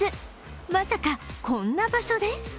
まさか、こんな場所で？